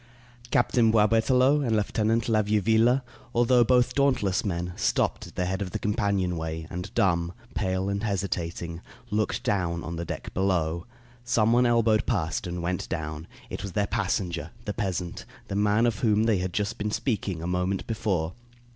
Captain Boisberthelot and Lieutenant la Vieuville, although both dauntless men, stopped at the head of the companion way and, dumb, pale, and hesitating, looked down on the deck below. Some one elbowed past and went down. It was their passenger, the peasant, the man of whom they had just been speaking a moment before.